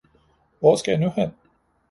Hvor skal jeg nu hen